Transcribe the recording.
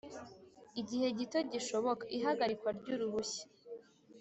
igihe gito gishoboka ihagarikwa ry uruhushya